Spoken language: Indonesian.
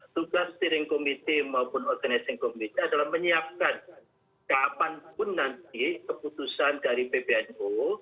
tugas steering committee maupun organizing committee adalah menyiapkan kapanpun nanti keputusan dari pbnu